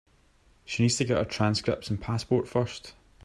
She needs to get her transcripts and passport first.